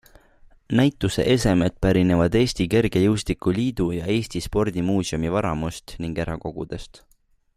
Näituse esemed pärinevad Eesti Kergejõustikuliidu ja Eesti Spordimuuseumi varamust ning erakogudest.